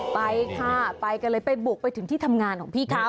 ไปค่ะไปกันเลยไปบุกไปถึงที่ทำงานของพี่เขา